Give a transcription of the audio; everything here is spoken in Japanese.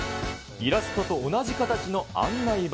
イラストと同じ形の案内板。